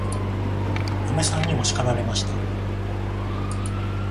嫁さんにも叱られました。